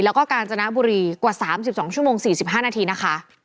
แล้วก็กาญจนบุรีกว่า๓๒ชั่วโมง๔๕นาทีนะคะ